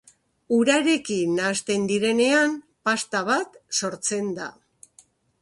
Urarekin nahasten direnean pasta bat sortzen da.